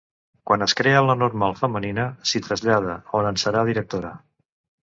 Quan es crea la Normal femenina, s'hi trasllada, on en serà directora.